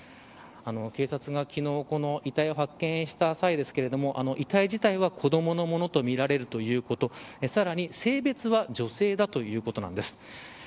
警察が昨日遺体を発見した際ですけれど遺体自体は子どものものとみられるということさらに、性別は女性だということなんです。